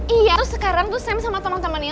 iya terus sekarang tuh sam sama temen temennya